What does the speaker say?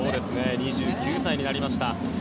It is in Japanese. ２９歳になりました。